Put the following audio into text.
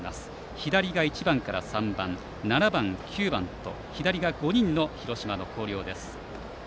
左が１番から３番７番、９番と左が５人の広島の広陵です。